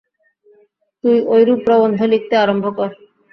তুই ঐরূপ প্রবন্ধ লিখতে আরম্ভ কর।